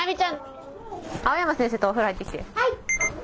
はい！